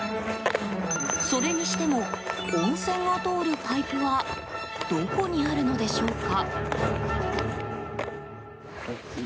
それにしても温泉が通るパイプはどこにあるのでしょうか。